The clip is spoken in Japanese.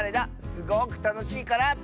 すごくたのしいから。